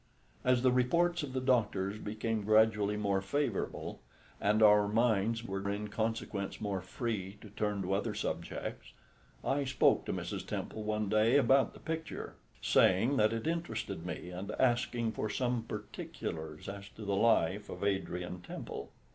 As the reports of the doctors became gradually more favourable, and our minds were in consequence more free to turn to other subjects, I spoke to Mrs. Temple one day about the picture, saying that it interested me, and asking for some particulars as to the life of Adrian Temple.